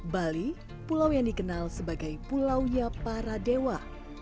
bali pulau yang dikenal sebagai pulaunya para dewa